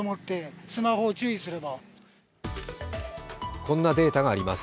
こんなデータがあります。